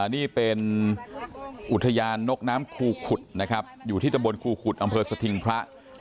นี่เป็นอุทยานนกน้ำครูขุดนะครับอยู่ที่ตำบลครูขุดอำเภอสถิงพระ